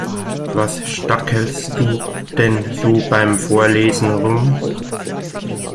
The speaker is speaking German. Was stackselst du denn so beim Vorlesen rum?